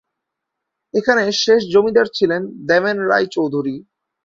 এখানে শেষ জমিদার ছিলেন দেবেন রায় চৌধুরী।